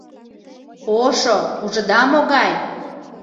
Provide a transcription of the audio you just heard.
Ошо, ужыда, могай!»